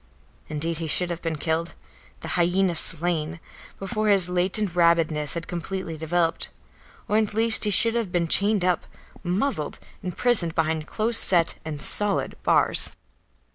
Indeed he should have been killed, the hyena slain, before his latent rabidness had completely developed, or at least he should have been chained up, muzzled, imprisoned behind close set and solid bars.